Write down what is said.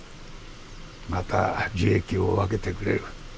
また樹液を分けてくれる。